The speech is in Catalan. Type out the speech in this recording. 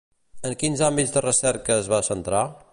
En quins àmbits de recerca es va centrar?